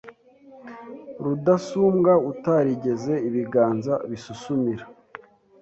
rudasumbwa utarigeze ibiganza bisusumira